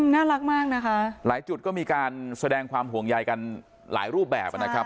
น่ารักมากนะคะหลายจุดก็มีการแสดงความห่วงใยกันหลายรูปแบบนะครับ